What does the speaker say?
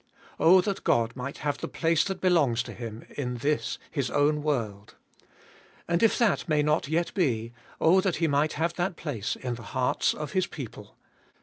Oh that God might have the place that belongs to Him in this His own world. And if that may not yet be — oh that He might have that place in the hearts of His people.